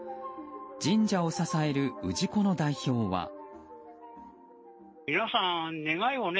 神社を支える氏子の代表は。